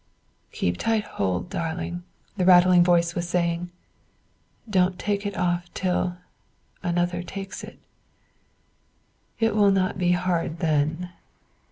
"Keep tight hold, darling," the rattling voice was saying. "Don't take it off till another takes it it will not be hard then."